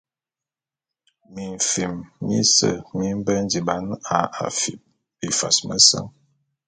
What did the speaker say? Mimfin mise mi mbe ndiban a afip bifas meseñ.